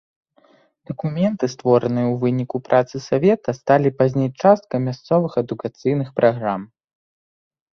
Дакументы, створаныя ў выніку працы савета, сталі пазней часткай мясцовых адукацыйных праграм.